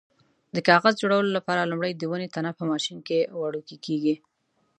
د کاغذ جوړولو لپاره لومړی د ونې تنه په ماشین کې وړوکی کېږي.